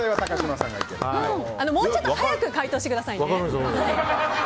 もうちょっと早く回答してくださいね。